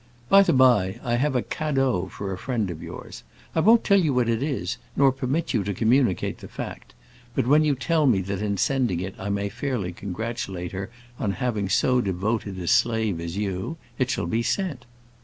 "By the by, I have a cadeau for a friend of yours. I won't tell you what it is, nor permit you to communicate the fact. But when you tell me that in sending it I may fairly congratulate her on having so devoted a slave as you, it shall be sent.